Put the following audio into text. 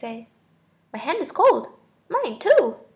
My hand is cold! Mine too!